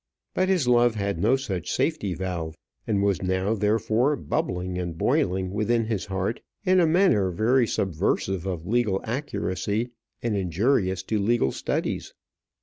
But his love had had no such safety valve, and was now, therefore, bubbling and boiling within his heart in a manner very subversive of legal accuracy and injurious to legal studies.